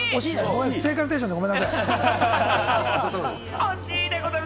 正解のテンションでごめんなさい。